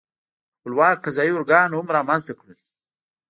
خپلواک قضايي ارګان هم رامنځته کړل.